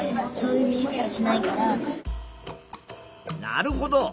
なるほど。